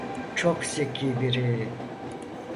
Çok zeki biri.